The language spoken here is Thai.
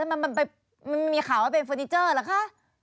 มันไม่มีข่าวว่าเป็นฟอนิเจอร์หรอคะ